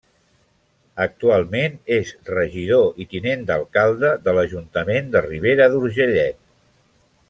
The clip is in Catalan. Actualment és regidor i tinent d'alcalde de l'Ajuntament de Ribera d'Urgellet.